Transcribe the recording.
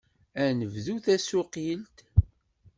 Ad nebdu tasuqilt!